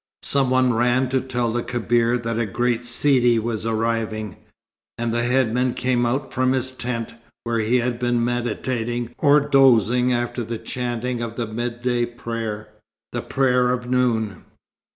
Some one ran to tell the Kebir that a great Sidi was arriving, and the headman came out from his tent, where he had been meditating or dozing after the chanting of the midday prayer the prayer of noon.